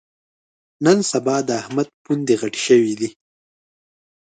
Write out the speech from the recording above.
نن سبا د احمد پوندې غټې شوې دي.